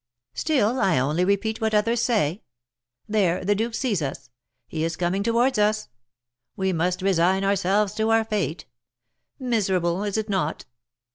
"Still I only repeat what others say. There, the duke sees us; he is coming towards us; we must resign ourselves to our fate, miserable, is it not?